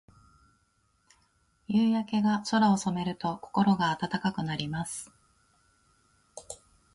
夕焼けが空を染めると、心が温かくなります。